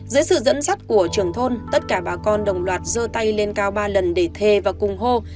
dưới sự dẫn dắt của trưởng thôn tất cả bà con đồng loạt dơ tay lên cao ba lần để thề và cùng hô